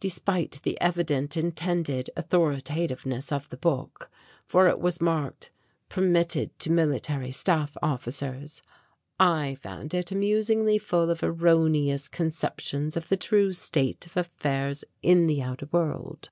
Despite the evident intended authoritativeness of the book for it was marked "Permitted to military staff officers" I found it amusingly full of erroneous conceptions of the true state of affairs in the outer world.